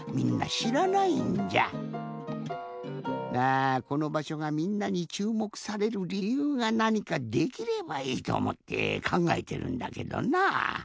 あこのばしょがみんなにちゅうもくされるりゆうがなにかできればいいとおもってかんがえてるんだけどな。